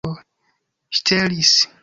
ŝtelis